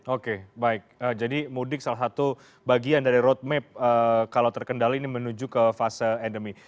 oke baik jadi mudik salah satu bagian dari roadmap kalau terkendali ini menuju ke fase endemi